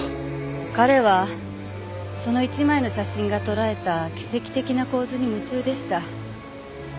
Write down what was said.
彼はその１枚の写真が捉えた奇跡的な構図に夢中でした。